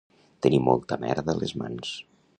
Tenir molta merda a les mans